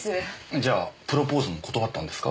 じゃあプロポーズも断ったんですか？